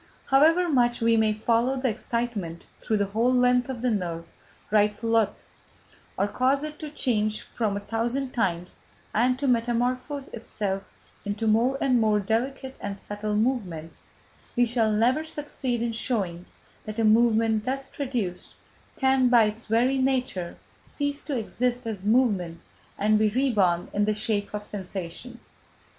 "However much we may follow the excitement through the whole length of the nerve," writes Lotze, "or cause it to change its form a thousand times and to metamorphose itself into more and more delicate and subtle movements, we shall never succeed in showing that a movement thus produced can, by its very nature, cease to exist as movement and be reborn in the shape of sensation...."